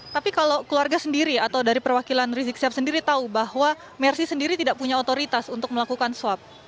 tapi kalau keluarga sendiri atau dari perwakilan rizik sihab sendiri tahu bahwa mersi sendiri tidak punya otoritas untuk melakukan swab